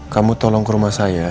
kamu tolong ke rumah saya